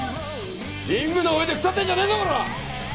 リングの上で腐ってんじゃねえぞコラ！